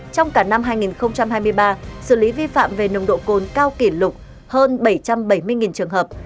trong cả năm hai nghìn hai mươi ba xử lý vi phạm về nồng độ cồn cao kỷ lục hơn bảy trăm bảy mươi trường hợp